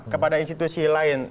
kepada institusi lain